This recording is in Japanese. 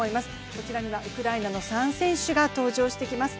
こちらにはウクライナの３選手が登場してきます。